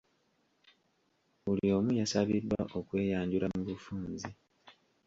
Buli omu yasabiddwa okweyanjula mu bufunze .